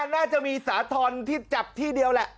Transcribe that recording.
น่าจะมีสาธรณ์ที่จับที่เดียวแหละ